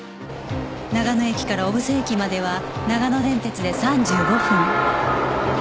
長野駅から小布施駅までは長野電鉄で３５分